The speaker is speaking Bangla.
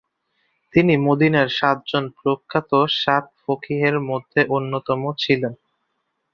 তিনি মদীনার সাতজন প্রখ্যাত সাত ফকীহের মধ্যে অন্যতম ছিলেন।